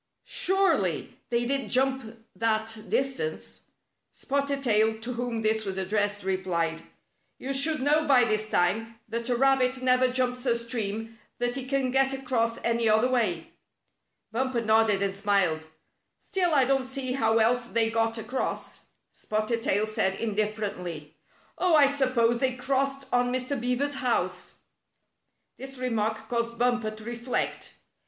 Surely, they didn't jump that dis tance." Spotted Tail, to whom this was addressed, re plied :'' You should know by this time that a rabbit never jumps a stream that he can get across any other way." Bumper nodded and smiled. ''Still, I don't see how else they got across." Spotted Tail said indifferently: " Oh, I suppose they crossed on Mr. Beaver's house." This remark caused Bumper to reflect.